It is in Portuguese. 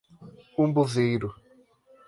Umbuzeiro